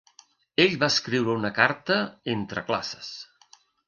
Ell va escriure una carta entre classes.